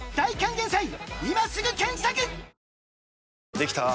できたぁ。